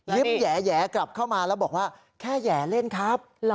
แหยกลับเข้ามาแล้วบอกว่าแค่แหย่เล่นครับ